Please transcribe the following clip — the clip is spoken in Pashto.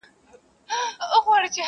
o خو زاړه کسان تل د هغې کيسه يادوي په درد,